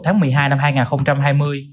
tháng một mươi hai năm hai nghìn hai mươi